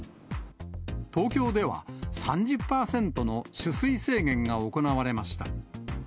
東京では３０％の取水制限が行われました。